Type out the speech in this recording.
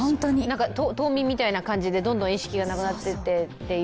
冬眠みたいな感じでどんどん意識がなくなっていってという。